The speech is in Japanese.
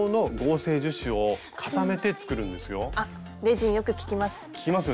あっレジンよく聞きます。